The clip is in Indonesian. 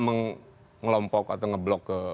mengelompok atau ngeblok ke